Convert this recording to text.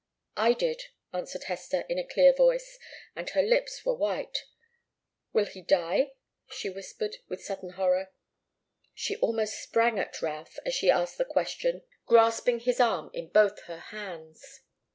"I did," answered Hester, in a clear voice, and her lips were white. "Will he die?" she whispered, with sudden horror. She almost sprang at Routh as she asked the question, grasping his arm in both her hands.